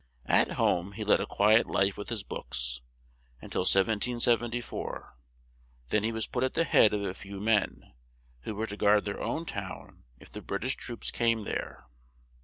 At home he led a qui et life with his books, un til 1774, then he was put at the head of a few men, who were to guard their own town if the Brit ish troops came there.